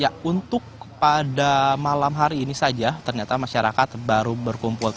ya untuk pada malam hari ini saja ternyata masyarakat baru berkumpul